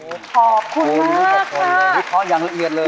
โอ้โหขอบคุณมากค่ะรีบทอดอย่างละเอียดเลย